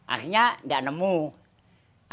akhirnya tidak menemukan